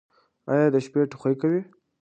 ایا د شپې ټوخی کوئ؟